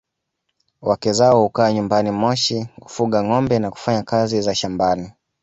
Wake zao hukaa nyumbani Moshi kufuga ngombe na kufanya kazi za shambani